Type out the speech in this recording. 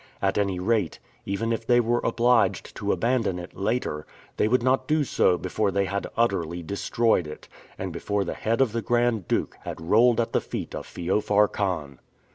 At any rate, even if they were obliged to abandon it later, they would not do so before they had utterly destroyed it, and before the head of the Grand Duke had rolled at the feet of Feofar Khan.